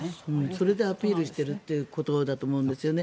それでアピールしてるということだと思うんですよね。